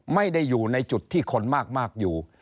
ไม่ได้อยู่ในจุดที่คนมากอยู่